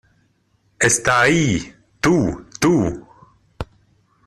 ¡ Está ahí! Tú... tú ...